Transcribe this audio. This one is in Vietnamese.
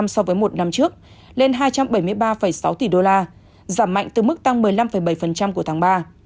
so với một năm trước lên hai trăm bảy mươi ba sáu tỷ đô la giảm mạnh từ mức tăng một mươi năm bảy của tháng ba